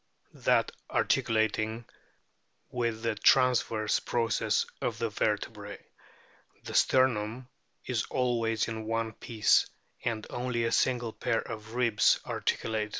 that articulating with the transverse process of the vertebrae. The sternum is always in one piece, and only a single pair of ribs articulate with it.